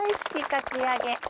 かき揚げ。